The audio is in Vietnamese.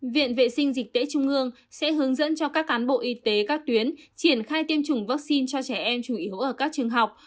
viện vệ sinh dịch tễ trung ương sẽ hướng dẫn cho các cán bộ y tế các tuyến triển khai tiêm chủng vaccine cho trẻ em chủ yếu ở các trường học